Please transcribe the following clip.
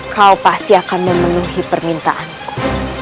kau pasti akan memenuhi permintaanku